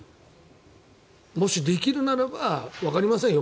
もしできるならばわかりませんよ